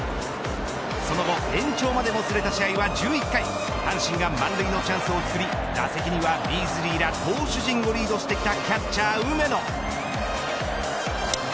その後、延長までもつれた試合は１１回阪神が満塁のチャンスをつくり打席にはビーズリーら投手陣をリードしてきたキャッチャー梅野。